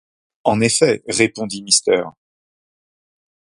En effet, répondit Mrs.